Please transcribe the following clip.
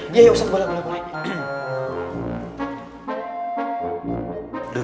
iya ya ustadz boleh boleh boleh